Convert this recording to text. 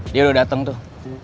dia udah dateng tuh